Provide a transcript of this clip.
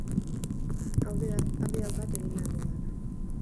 Argi daukat egin behar dudana.